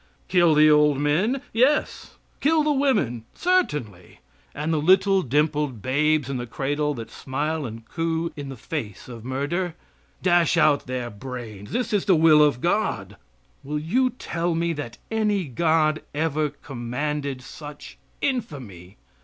Kill the old men? Yes. Kill the women? Certainly. And the little dimpled babes in the cradle, that smile and coo in the face of murder dash out their brains; that is the will of God. Will you tell me that any God ever commanded such infamy?